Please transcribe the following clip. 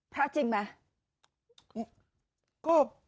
พระจริงไหม